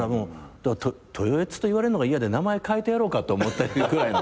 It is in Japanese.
「トヨエツ」と言われるのが嫌で名前変えてやろうかと思ったぐらいの。